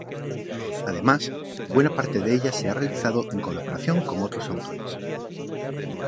Además, buena parte de ella se ha realizado en colaboración con otros autores.